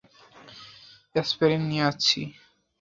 Aspirin নিয়ে আসছি!